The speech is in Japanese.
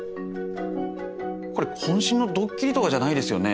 これ渾身のドッキリとかじゃないですよね？